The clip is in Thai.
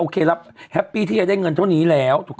แล้วแฮปปี้ที่จะได้เงินเท่านี้แล้ว